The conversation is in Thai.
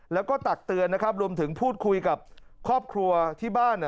แล้วก็ตักเตือนนะครับรวมถึงพูดคุยกับครอบครัวที่บ้าน